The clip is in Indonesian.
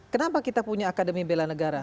kenapa kita punya akademi bela negara